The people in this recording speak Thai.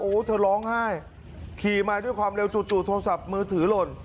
เธอร้องไห้ขี่มาด้วยความเร็วจู่โทรศัพท์มือถือหล่น